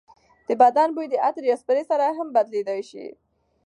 د بدن بوی د عطر یا سپرې سره هم بدلېدای شي.